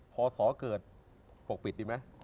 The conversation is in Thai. พอสอเกิดปกปิดดีไหม